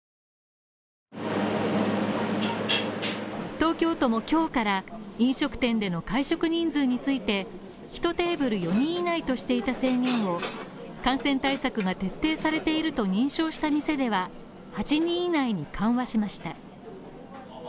東京都も今日から飲食店での会食人数について、ひとテーブル４人以内としていた制限を感染対策が徹底されていると認証した店では８人以内に緩和しました。